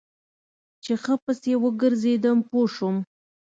چې ښه پسې وګرځېدم پوه سوم.